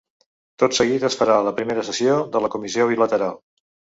Tot seguit es farà la primera sessió de la comissió bilateral.